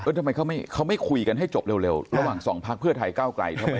ทำไมเขาไม่คุยกันให้จบเร็วระหว่างสองพักเพื่อไทยก้าวไกลทำไม